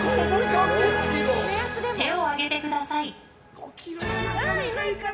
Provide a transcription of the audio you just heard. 手を上げてください。